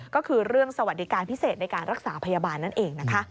ก็คือเรื่องสวัสดิการพิเศษในการรักษาพยาบาลนั่นเองนะคะ